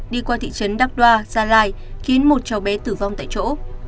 đi qua thị trấn đắk đoa gia lai khiến một cháu bé tử vong tại chỗ